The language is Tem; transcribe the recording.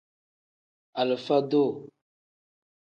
Alifa-duu.